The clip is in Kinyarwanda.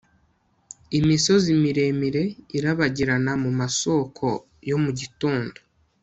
Imisozi miremire irabagirana mu masoko yo mu gitondo